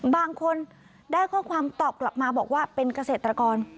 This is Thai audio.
บางคนได้ข้อความตอบกลับมาบอกว่าเป็นเกษตรกร